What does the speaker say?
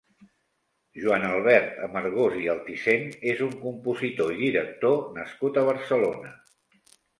Joan Albert Amargós i Altisent és un compositor i director nascut a Barcelona.